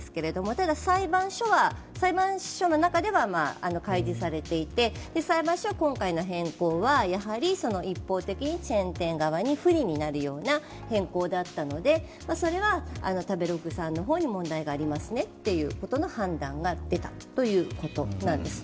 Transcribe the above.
ただ裁判所の中では開示されていて、裁判所は今回の変更はやはり一方的にチェーン店側に不利になるような変更だったので、それは食べログさんの方に問題がありますねということの判断が出たということなんです。